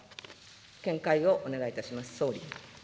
見解をお願いいたします、総理。